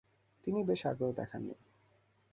তিনি বেশি আগ্রহ দেখাননি।